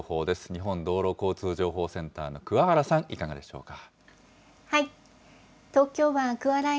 日本道路交通情報センターのくわ原さん、いかがでしょうか。